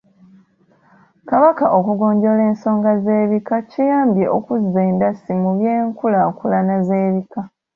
Kabaka okugonjoola ensonga z'ebika kiyambye okuzza endasi mu by’enkulaakulana z’ebika.